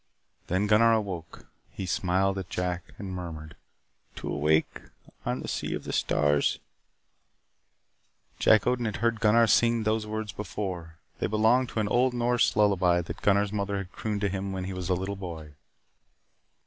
Then Gunnar awoke. He smiled at Jack Odin and murmured: "To awake on the sea of the stars " Jack Odin had heard Gunnar sing those words before. They belonged to an old Norse lullaby that Gunnar's mother had crooned to him when he was a little boy.